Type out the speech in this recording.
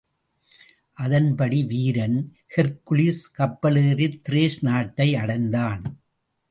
அதன்படி வீரன் ஹெர்க்குலிஸ் கப்பலேறித் திரேஸ் நாட்டை அடைந்தான்.